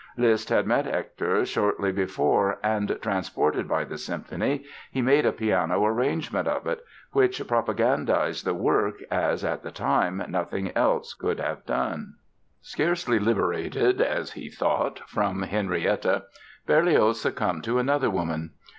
Liszt had met Hector shortly before and, transported by the symphony, he made a piano arrangement of it, which propagandized the work as, at the time, nothing else could have done. Scarcely liberated (as he thought) from Henrietta, Berlioz succumbed to another woman.